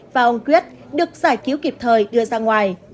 được giải cứu kịp thời đưa ra ngoài